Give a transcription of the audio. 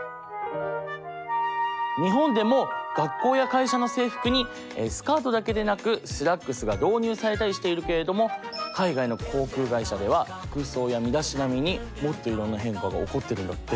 日本でも学校や会社の制服にスカートだけでなくスラックスが導入されたりしているけれども海外の航空会社では服装や身だしなみにもっといろんな変化が起こってるんだって。